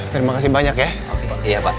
terima kasih banyak ya